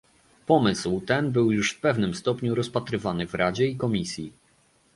Pomysł ten był już w pewnym stopniu rozpatrywany w Radzie i Komisji